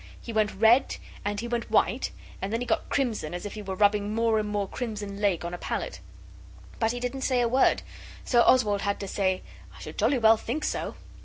He went red and he went white, and then he got crimson, as if you were rubbing more and more crimson lake on a palette. But he didn't say a word, so Oswald had to say 'I should jolly well think so.